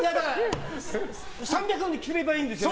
３００ｇに切ればいいんでしょ？